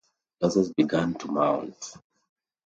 Losses began to mount.